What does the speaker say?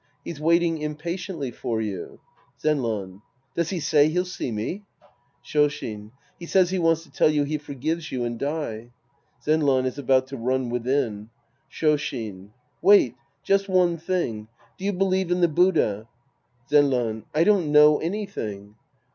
He's waiting impatiently for you. Zenran. Does he say he'll see me ? Shoshin. He says he wants to tell you he forgives you and die. (Zenran is about to run within^ Shoshin. Wait. Just one thing. Do you believe in the Buddha ? Zenran. I don't know anything.